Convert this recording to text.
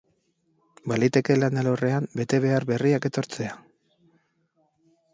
Baliteke lan alorrean betebehear berriak etortzea.